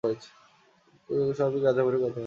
কিন্তু সবই গাঁজাখুরি কথাবার্তা।